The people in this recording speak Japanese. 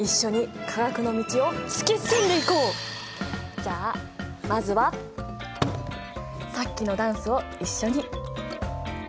じゃあまずはさっきのダンスを一緒に！